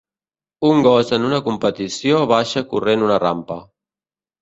Un gos en una competició baixa corrent una rampa.